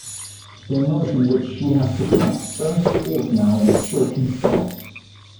The emotion which she had suppressed burst forth now in a choking sob.